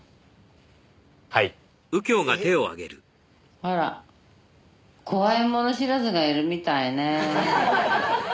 あら怖いもの知らずがいるみたいね。